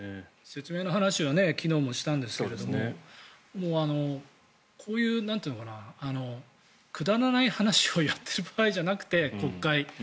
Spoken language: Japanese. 説明の話は昨日もしたんですけどもこういうくだらない話をやってる場合じゃなくて、国会。